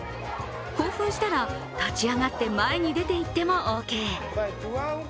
興奮したら、立ち上がって前に出て行ってもオーケー。